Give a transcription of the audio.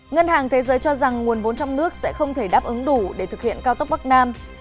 ngân hàng thế giới cho rằng nguồn vốn trong nước sẽ không thể đáp ứng đủ để thực hiện cao tốc bắc nam